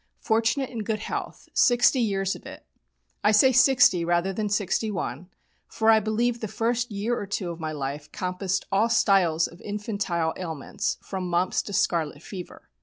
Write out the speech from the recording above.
Fortunate in good health sixty years of it. I say sixty rather than sixty one, for I believe the first year or two of my life compassed all styles of infantile ailments, from mumps to scarlet fever.